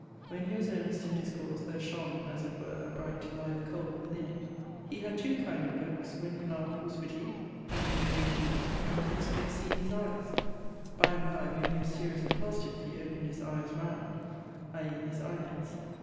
When he was earnest in discourse, there shone (as it were) a bright live coale within it. He had two kind of looks: when he laugh't, was witty, and in a merry humour, one could scarce see his eies; by and by, when he was serious and positive, he open'd his eies round (i.e. his eie lids).